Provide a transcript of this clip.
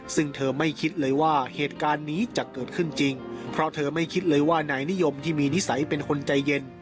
ซึ่งเธอไม่คิดเลยว่าเหตุการณ์นี้จะเกิดขึ้นจริงเพราะเธอไม่คิดเลยว่านายนิยมที่มีนิสัยเป็นคนใจเย็น